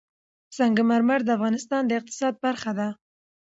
سنگ مرمر د افغانستان د اقتصاد برخه ده.